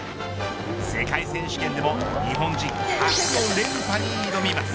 世界選手権でも日本人初の連覇に挑みます。